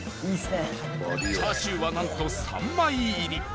チャーシューはなんと３枚入り！